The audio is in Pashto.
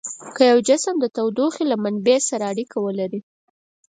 که یو جسم د تودوخې له منبع سره اړیکه ولري.